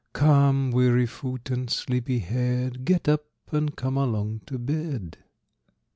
Come, weary foot, and sleepy head, Get up, and come along to bed."